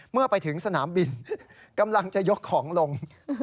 เมื่อไปถึงสนามบินกำลังจะยกของลง